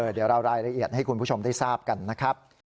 เดี๋ยวเรารายละเอียดให้คุณผู้ชมได้ทราบกันนะครับ